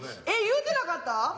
えっ言うてなかった？